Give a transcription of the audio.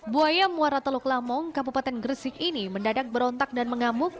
buaya muara teluk lamong kabupaten gresik ini mendadak berontak dan mengamuk